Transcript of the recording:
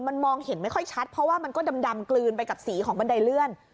มันมองเห็นไม่ค่อยชัดเพราะว่ามันก็ดำกลืนไปกับสีของบันไดเลื่อน